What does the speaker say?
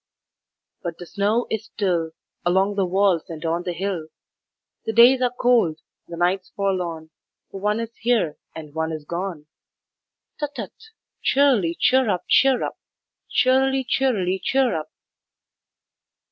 "But the snow is still Along the walls and on the hill. The days are cold, the nights forlorn, For one is here and one is gone. 'Tut, tut. Cheerily, Cheer up, cheer up; Cheerily, cheerily, Cheer up.'